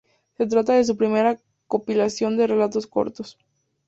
Se trata de su primera compilación de relatos cortos.